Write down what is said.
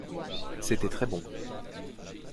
C’était très bon.